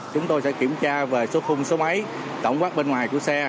chúng tôi sẽ kiểm tra về số khung số máy tổng quát bên ngoài của xe